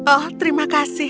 oh terima kasih